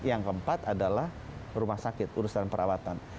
yang keempat adalah rumah sakit urusan perawatan